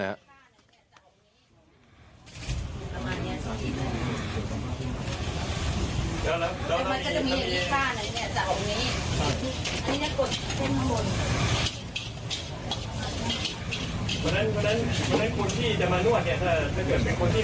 ไม่รู้สารการนวดไม่รู้ท่าที่การนวดเด็ด